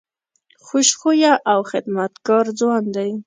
خوش خویه او خدمتګار ځوان دی.